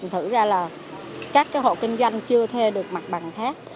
thực ra là các hộ kinh doanh chưa thê được mặt bằng khác